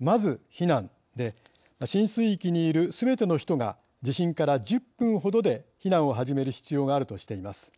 まず避難で浸水域にいるすべての人が地震から１０分ほどで避難を始める必要があるとしています。